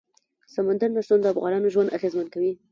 سمندر نه شتون د افغانانو ژوند اغېزمن کوي.